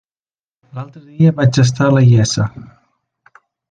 L'altre dia vaig estar a la Iessa.